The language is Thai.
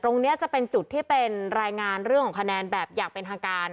ตรงนี้จะเป็นจุดที่เป็นรายงานเรื่องของคะแนนแบบอย่างเป็นทางการ